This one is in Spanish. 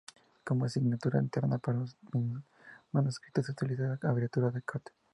Como signatura interna para los manuscritos se utiliza la abreviatura "Cod.